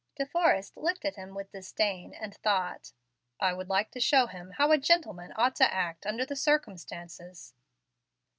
De Forrest looked at him with disdain, and thought, "I would like to show him how a gentleman ought to act under the circumstances."